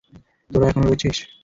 তোরা এখনো এখানে রয়েছিস।